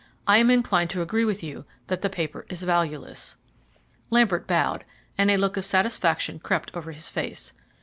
I am inclined to agree with you that the paper is valueless." Lambert bowed, and a look of satisfaction crept over his face.